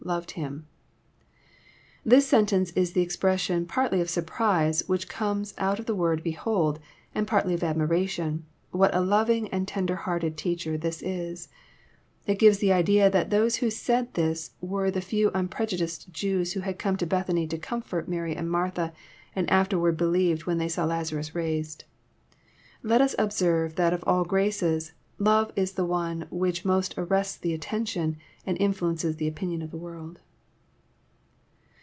A(yoed him,'] This sentence is the expression partly of surprise, which comes out in the word " behold ;" and partly of admiration, — what a loving and tender hearted Teacher this is ! It gives the idea that those who said this were the few unprejudiced Jews who had come to Bethany to comfort Mary and Martha, and afterward believed when they saw Lazarus raised. Let us observe that of all graces, love is the one which most arrests the attention and influences the opinion of the world.